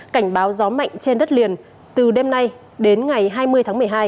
cảnh báo gió mạnh trên đất liền từ đêm nay đến ngày hai mươi tháng một mươi hai